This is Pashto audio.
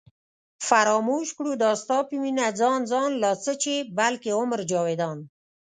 فراموش کړو دا ستا په مینه ځان ځان لا څه چې بلکې عمر جاوېدان